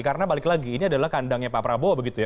karena balik lagi ini adalah kandangnya pak prabowo begitu ya